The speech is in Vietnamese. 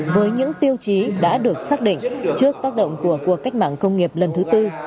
với những tiêu chí đã được xác định trước tác động của cuộc cách mạng công nghiệp lần thứ tư